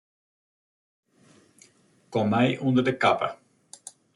Kom mei ûnder de kappe.